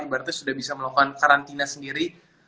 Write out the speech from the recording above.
ibaratnya sudah bisa melakukan karantina sendiri